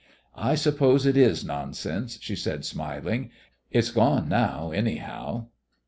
"I suppose it is nonsense," she said, smiling. "It's gone now, anyhow."